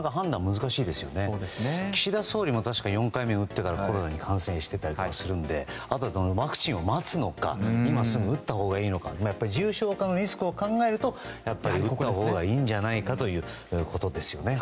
確か、岸田総理も４回目を打ってからコロナに感染していたりするのでワクチンを待つのか今すぐ打ったほうがいいのか重症化のリスクを考えると打ったほうがいいんじゃないかということですよね。